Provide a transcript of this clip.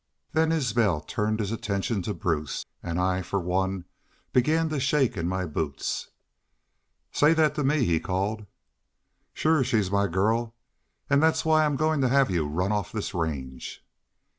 "Then Isbel turned his attention to Bruce an' I fer one begun to shake in my boots. "'Say thet to me!' he called. "'Shore she's my gurl, an' thet's why Im a goin' to hev y'u run off this range.'